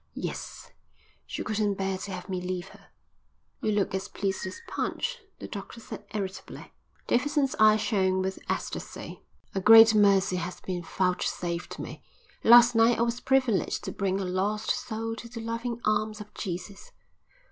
"Yes, she couldn't bear to have me leave her." "You look as pleased as Punch," the doctor said irritably. Davidson's eyes shone with ecstasy. "A great mercy has been vouchsafed me. Last night I was privileged to bring a lost soul to the loving arms of Jesus."